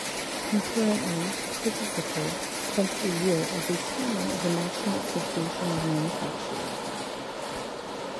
Concurrently, Pritzker spent a year as Chairman of the National Association of Manufacturers.